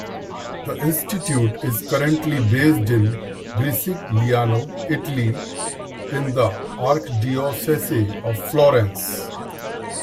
The institute is currently based in Gricigliano, Italy in the Archdiocese of Florence.